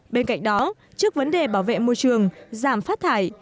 bên cạnh đó trước vấn đề bảo vệ môi trường giảm phát thải